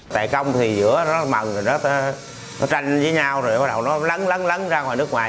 tài công thì giữa nó mần rồi nó tranh với nhau rồi bắt đầu nó lấn lấn lấn ra ngoài nước ngoài